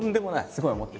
すごい思ってて。